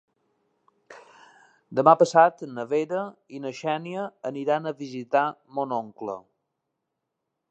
Demà passat na Vera i na Xènia aniran a visitar mon oncle.